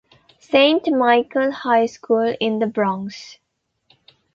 Saint Michael High School in The Bronx.